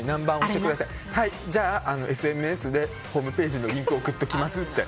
じゃあＳＭＳでホームページのリンクを送っときますって。